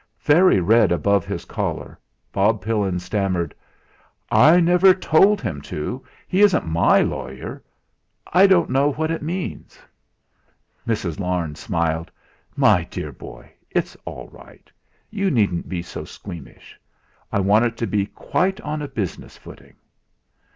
Very red above his collar, Bob Pillin stammered: "I never told him to; he isn't my lawyer. I don't know what it means." Mrs. Larne smiled. "My dear boy, it's all right. You needn't be so squeamish. I want it to be quite on a business footing."